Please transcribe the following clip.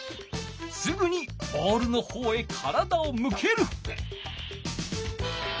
すぐにボールの方へ体をむける。